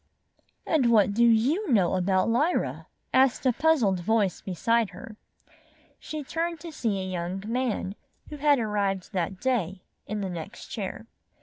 "And what do you know about Lyra?" asked a puzzled voice beside her. She turned to see a young man, who had arrived that day, in the next chair.